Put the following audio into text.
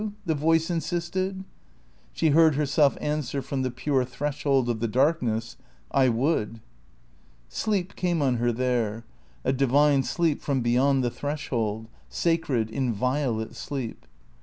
the voice insisted. She heard herself answer from the pure threshold of the darkness, "I would." Sleep came on her there; a divine sleep from beyond the threshold; sacred, inviolate sleep.